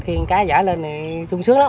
khi cá giả lên thì sung sướng lắm